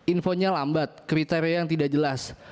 infonya lambat kriteria yang tidak jelas